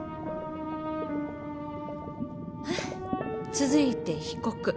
ふう続いて被告。